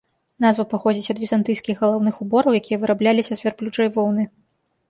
Назва паходзіць ад візантыйскіх галаўных убораў, якія вырабляліся з вярблюджай воўны.